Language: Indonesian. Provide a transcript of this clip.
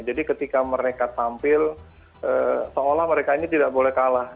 jadi ketika mereka tampil seolah mereka ini tidak boleh kalah